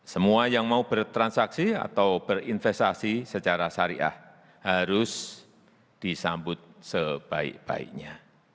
semua yang mau bertransaksi atau berinvestasi secara syariah harus disambut sebaik baiknya